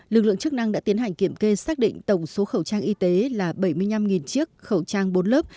lực lượng chức năng đã tiến hành kiểm kê xác định tổng số khẩu trang y tế là bảy mươi năm chiếc khẩu trang bốn lớp